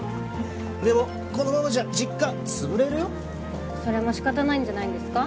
でもこのままじゃ実家潰れるよそれも仕方ないんじゃないんですか